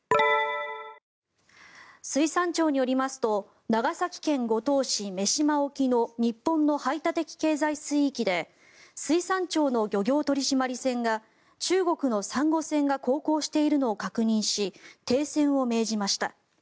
水産庁によりますと長崎県五島市・女島沖の日本の排他的経済水域で水産庁の漁業取締船が中国のサンゴ船が航行しているのを確認し停船を命じました。